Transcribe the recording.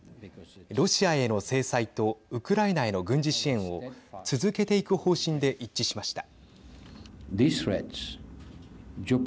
ロシアへの制裁とウクライナへの軍事支援を続けていく方針で一致しました。